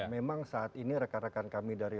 memang saat ini rekan rekan kami dari